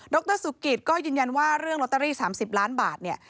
รสุกิตก็ยืนยันว่าเรื่องลอตเตอรี่๓๐ล้านบาทเนี่ย